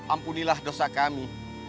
ampunilah dosa kami